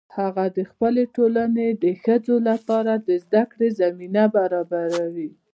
هغه د خپلې ټولنې د ښځو لپاره د زده کړو زمینه برابروي